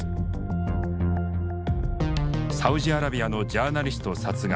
サウジアラビアのジャーナリスト殺害。